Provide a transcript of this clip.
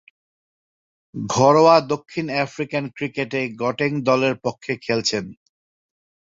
ঘরোয়া দক্ষিণ আফ্রিকান ক্রিকেটে গটেং দলের পক্ষে খেলেছেন।